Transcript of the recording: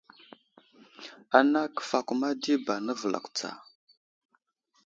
Ana kəfakuma di ba nəvəlakw tsa.